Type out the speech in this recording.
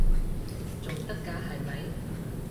仲得㗎係咪？